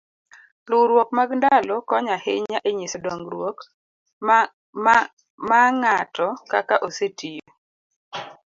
luwruok mag ndalo konyo ahinya e nyiso dongruok ma ng'ato kaka osetiyo